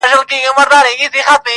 خو وجدان يې نه پرېږدي تل